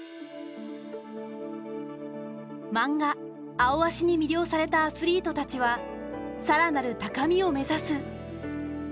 マンガ「アオアシ」に魅了されたアスリートたちは更なる高みを目指す。